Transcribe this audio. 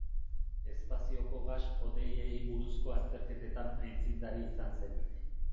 Espazioko gas-hodeiei buruzko azterketetan aitzindari izan zen.